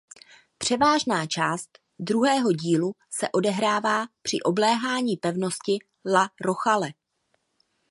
Převážná část druhého dílu se odehrává při obléhání pevnosti La Rochelle.